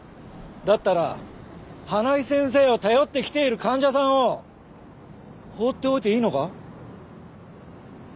だったら花井先生を頼って来ている患者さんを放っておいていいのか？